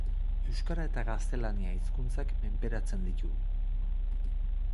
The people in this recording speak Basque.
Euskara eta gaztelania hizkuntzak menperatzen ditu.